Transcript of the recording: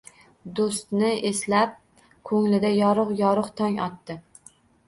Do‘stni eslab ko‘nglida yorug‘-yorug‘ tong otdi